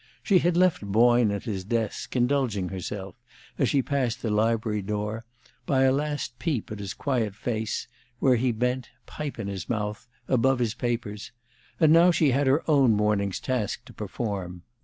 She had left Boyne at his desk, indulging herself, as she passed the library door, by a last peep at his quiet face, where he bent, pipe in his mouth, above his papers, and now she had her own morning's task to perform.